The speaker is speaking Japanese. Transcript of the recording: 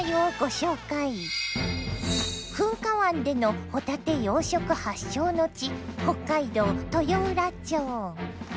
噴火湾でのホタテ養殖発祥の地北海道豊浦町。